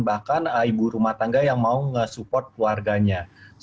bahkan ibu rumah tangga yang mau ngesupport warganya